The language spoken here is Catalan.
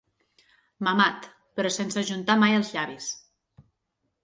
Mamat, però sense ajuntar mai els llavis.